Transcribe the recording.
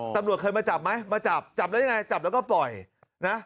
ตำรวจเคยมาจับไหมมาจับจับแล้วยังไงจับแล้วก็ปล่อยนะ